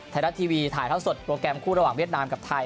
ไทยรัฐทีวีถ่ายเท่าสดโปรแกรมคู่ระหว่างเวียดนามกับไทย